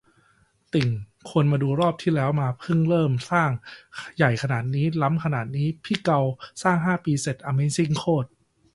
ติ่ง ควรมาดูรอบที่แล้วมาเพิ่งเริ่มสร้าง ใหญ่ขนาดนี้ ล้ำขนาดนี้ พี่เกาสร้างห้าปีเสร็จ อะเมซิ่งโคตร